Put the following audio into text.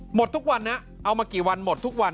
หมดทุกวันนะเอามากี่วันหมดทุกวัน